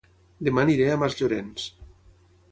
Dema aniré a Masllorenç